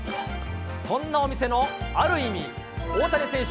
そんなお店のある意味、大谷選手